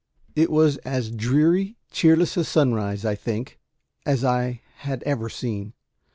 It was as dreary, cheerless a sunrise, I think, as I had ever seen.